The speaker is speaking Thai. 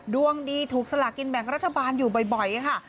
ดวงดีถูกสลากินแบ่งรัฐบาลอยู่บ่อยค่ะ